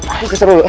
aku keseru dulu